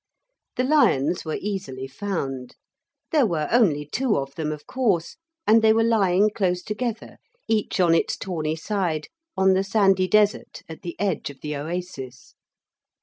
The lions were easily found. There were only two of them, of course, and they were lying close together, each on its tawny side on the sandy desert at the edge of the oasis.